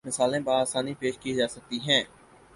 مثالیں باآسانی پیش کی جا سکتی ہیں